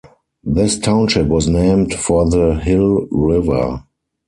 This township was named for the Hill River.